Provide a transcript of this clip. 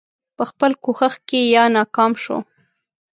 په خپل کوښښ کې یا ناکام شو.